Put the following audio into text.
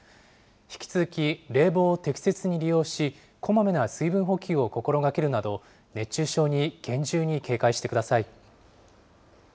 引き続き冷房を適切に利用し、こまめな水分補給を心がけるなど、熱中症に厳重に警戒してください。